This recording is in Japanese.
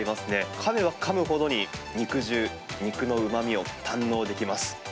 かめばかむほどに肉汁、肉のうまみを堪能できます。